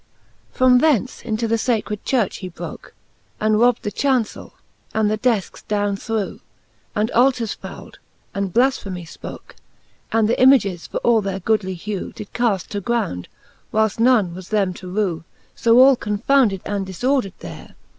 XXV. From thence into the facred Church he broke, And robd the Chancell, and the defkes downe threw, And Altars fouled^ and blafphemy fpoke, And th' Images, for all their goodly hew. Did caft to ground, whileft none was them to rew ; So all confounded and difordered there.